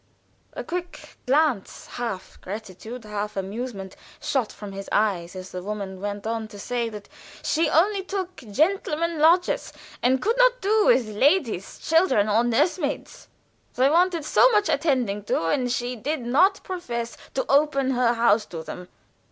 A quick glance, half gratitude, half amusement, shot from his eyes as the woman went on to say that she only took gentlemen lodgers, and could not do with ladies, children, and nurse maids. They wanted so much attending to, and she did not profess to open her house to them.